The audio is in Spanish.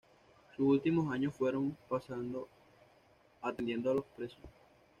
Sus últimos años fueron pasando atendiendo a los presos.